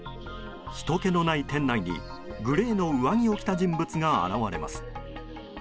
ひとけのない店内にグレーの上着を着た人物が現れます。